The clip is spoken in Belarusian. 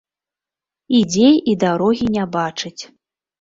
Ідзе і дарогі не бачыць.